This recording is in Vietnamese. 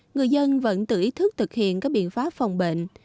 người dân vẫn tự ý thức thực hiện các biện pháp phòng bệnh